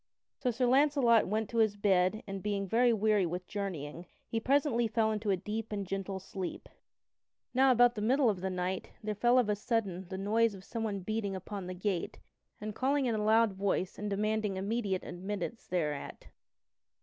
So Sir Launcelot went to his bed and, being weary with journeying, he presently fell into a deep and gentle sleep. [Sidenote: Sir Launcelot is aroused from sleep] Now about the middle of the night there fell of a sudden the noise of someone beating upon the gate and calling in a loud voice and demanding immediate admittance thereat.